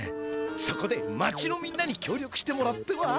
そこで町のみんなにきょうりょくしてもらっては？